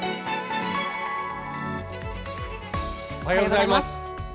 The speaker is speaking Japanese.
「おはようございます」。